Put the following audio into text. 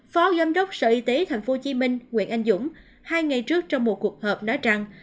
phó giám đốc sở y tế tp hcm nguyễn anh dũng hai ngày trước trong một cuộc họp nói rằng